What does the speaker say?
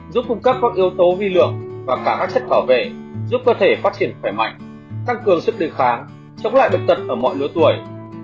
giúp cung cấp các yếu tố vi lường và cả các chất bảo vệ giúp cơ thể phát triển khỏe mạnh tăng cường sức đề kháng chống lại bệnh tật ở mọi lứa tuổi